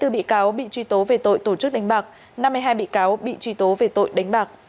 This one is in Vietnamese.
hai mươi bị cáo bị truy tố về tội tổ chức đánh bạc năm mươi hai bị cáo bị truy tố về tội đánh bạc